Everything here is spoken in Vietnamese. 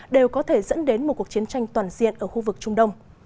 đều có thể dẫn đến một cuộc chiến tranh toàn diện ở khu vực trung đông